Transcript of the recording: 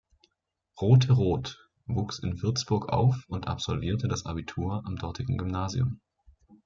Rothe-Roth wuchs in Würzburg auf und absolvierte das Abitur am dortigen Gymnasium.